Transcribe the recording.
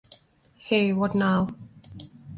Hey What Now!